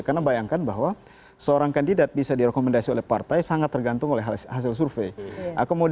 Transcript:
karena bayangkan bahwa seorang kandidat bisa direkomendasi oleh partai sangat tergantung oleh hasil survei